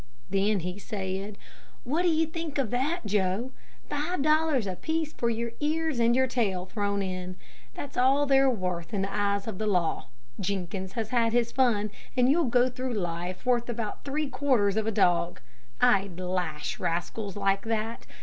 Then he said, "What do you think of that, Joe? Five dollars apiece for your ears and your tail thrown in. That's all they're worth in the eyes of the law. Jenkins has had his fun and you'll go through life worth about three quarters of a dog. I'd lash rascals like that.